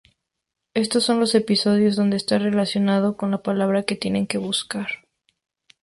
Estos son los episodios donde está relacionado con la palabra que tienen que buscar